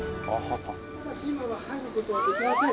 ただし今は入る事はできません。